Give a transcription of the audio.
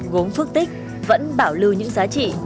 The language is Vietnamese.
gốm phước tích vẫn bảo lưu những giá trị